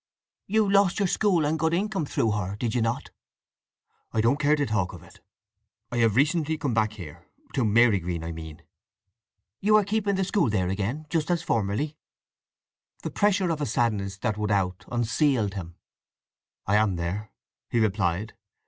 "You lost your school and good income through her, did you not?" "I don't care to talk of it. I have recently come back here—to Marygreen. I mean." "You are keeping the school there again, just as formerly?" The pressure of a sadness that would out unsealed him. "I am there," he replied.